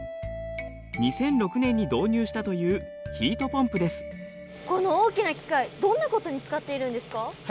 ２００６年に導入したというこの大きな機械どんなことに使っているんですか？